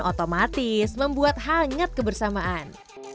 otomatis membuat hangat kebersamaan